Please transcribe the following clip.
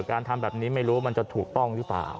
การทำแบบนี้ไม่รู้มันจะถูกต้องหรือเปล่า